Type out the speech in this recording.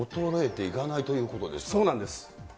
そうなんです。